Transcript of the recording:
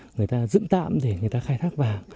người ta dựng tạm để người ta khai thác vàng